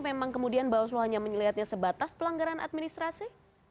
memang kemudian bawaslu hanya menyelihatnya sebatas pelanggaran administrasi